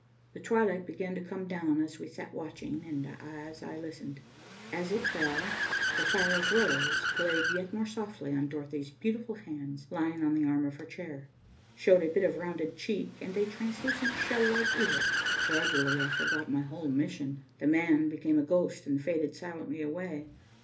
The twilight began to come down as we sat watching and as I listened. As it fell, the fire's rose played yet more softly on Dorothy's beautiful hands lying on the arm of her chair, showed a bit of rounded cheek and a translucent shell like ear. Gradually I forgot my whole mission. The man became a ghost and faded silently away.